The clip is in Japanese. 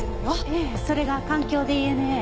ええそれが環境ＤＮＡ。